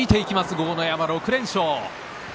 豪ノ山６連勝